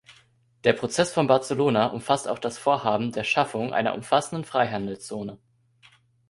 Der Prozess von Barcelona umfasst auch das Vorhaben der Schaffung einer umfassenden Freihandelszone.